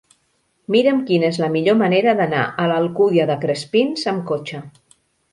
Mira'm quina és la millor manera d'anar a l'Alcúdia de Crespins amb cotxe.